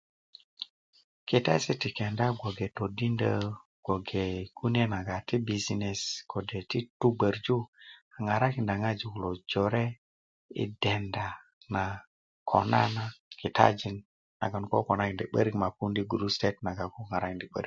Kitesi' ti kenda gboge todindö ko ge kune nago ti bisinesi kode ti tutugbörju a ŋarakinda gojik kulo jore yi denda na kona na kitajin na go koko konakinda 'borik ma ko puji gurustöt na ko ŋarakindi 'börik